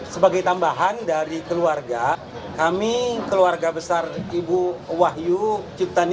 sebagai tambahan dari keluarga kami keluarga besar ibu wahyu ciptani